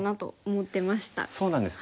そうなんです。